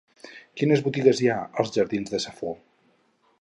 Quines botigues hi ha als jardins de Safo?